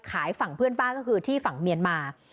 ฝั่งเพื่อนบ้านก็คือที่ฝั่งเมียนมา